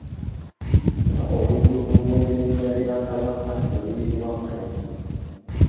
Mpa obujjuvu bw’erinnya lya Kabaka eriyitibwa Kalema